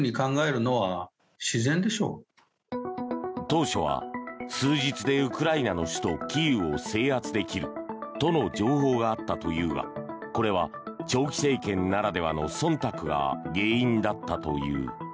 当初は数日でウクライナの首都キーウを制圧できるとの情報があったというがこれは長期政権ならではのそんたくが原因だったという。